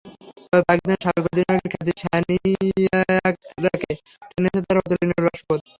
তবে পাকিস্তানের সাবেক অধিনায়কের খ্যাতি নয়, শ্যানিয়েরাকে টেনেছে তাঁর অতুলনীয় রসবোধ।